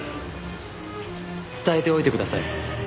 伝えておいてください。